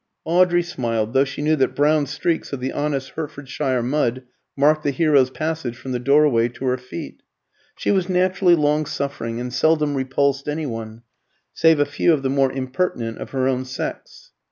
Audrey smiled, though she knew that brown streaks of the honest Hertfordshire mud marked the hero's passage from the doorway to her feet. She was naturally long suffering, and seldom repulsed any one, save a few of the more impertinent of her own sex.